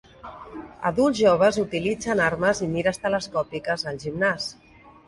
Adults joves utilitzen armes i mires telescòpiques al gimnàs.